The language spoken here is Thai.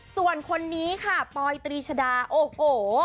ส่วนคนนี้ค่ะปอยตรีชดาโอ้โห